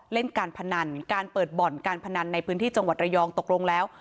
เล่นการพนันการเปิดบ่อนการพนันในพื้นที่จังหวัดระยองตกลงแล้ว